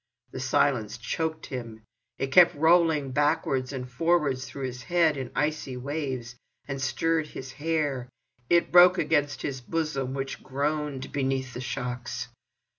The silence choked him: it kept rolling backwards and forwards through his head in icy waves, and stirred his hair; it broke against his bosom, which groaned beneath the shocks.